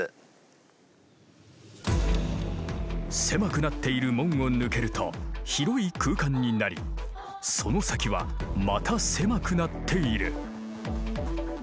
狭くなっている門を抜けると広い空間になりその先はまた狭くなっている。